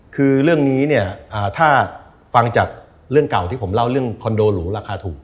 คือเรื่องนี้เนี่ยถ้าฟังจากเรื่องเก่าที่ผมเล่าเรื่องคอนโดหรูราคาถูก